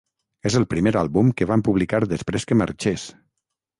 És el primer àlbum que van publicar després que marxés.